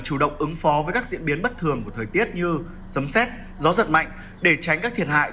chủ động ứng phó với các diễn biến bất thường của thời tiết như giấm xét gió giật mạnh để tránh các thiệt hại